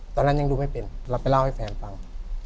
ตอนนั้นยังดูไม่เป็นเราไปเล่าให้แฟนฟัง